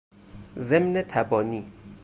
ضمن تبانی